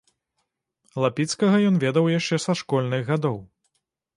Лапіцкага ён ведаў яшчэ са школьных гадоў.